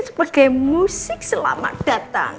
sebagai musik selamat datang